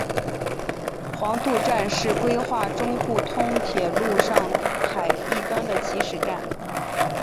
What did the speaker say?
黄渡站是规划中沪通铁路上海一端的起始站。